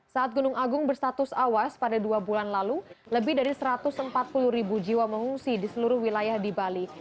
saat gunung agung berstatus awas pada dua bulan lalu lebih dari satu ratus empat puluh ribu jiwa mengungsi di seluruh wilayah di bali